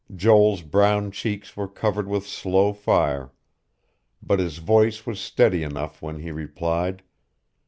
Joel's brown cheeks were covered with slow fire; but his voice was steady enough when he replied.